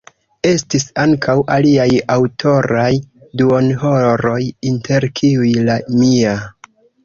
Estis ankaŭ aliaj aŭtoraj duonhoroj, inter kiuj la mia.